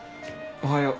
おはよう。